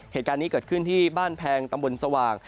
เหตุการณ์นี้เกิดขึ้นที่บ้านแพงตำบลสว่าง